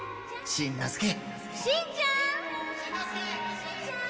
しんのすけ！